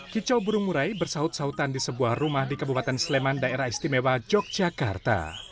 kicau burung murai bersaut sautan di sebuah rumah di kabupaten sleman daerah istimewa yogyakarta